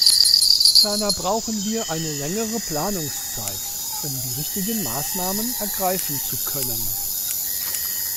Ferner brauchen wir eine längere Planungszeit, um die richtigen Maßnahmen ergreifen zu können.